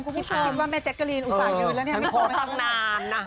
คุณผู้ชมคิดว่าแม่เจ๊กกะรีนอุตส่ายืนแล้วเนี่ย